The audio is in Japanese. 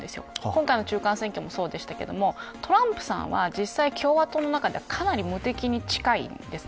今回の中間選挙もそうでしたがトランプさんは実際に共和党の中ではかなり無敵に近いです。